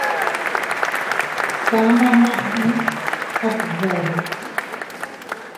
Tama maʼne a kubdebe.